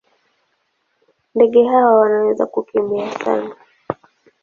Ndege hawa wanaweza kukimbia sana.